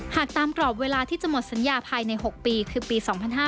หากตามกรอบเวลาที่จะหมดสัญญาภายใน๖ปีคือปี๒๕๕๙